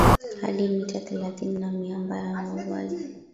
hadi mita thelathini na miamba na wauaji